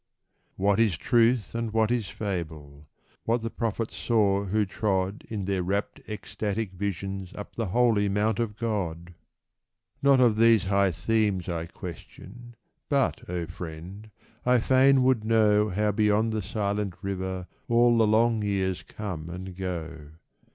What is truth, and what is fable ; what the prophets saw who trod In their rapt, ecstatic visions up the holy mount of God ! 224 UNSOLVED Not of these high themes I question — but, O friend, I fain would know How beyond the silent river all the long years come and go